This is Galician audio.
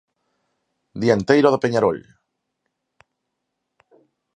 Dianteiro do Peñarol.